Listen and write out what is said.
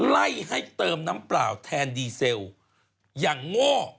ไล่ให้เติมน้ำเปล่าแทนดีเซลอย่างโง่